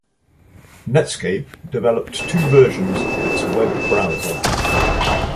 Netscape developed two versions of its web browser.